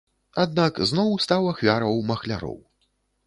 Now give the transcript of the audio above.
Аднак зноў стаў ахвяраў махляроў.